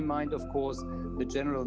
memandangkan tentu saja